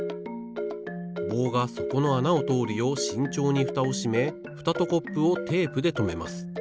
棒がそこのあなをとおるようしんちょうにフタをしめフタとコップをテープでとめます。